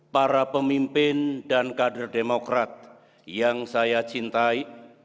para pemimpin dan kader demokrat yang saya cintai